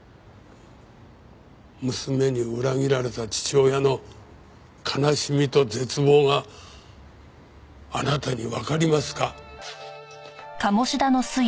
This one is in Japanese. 娘に裏切られた父親の悲しみと絶望があなたにわかりますか？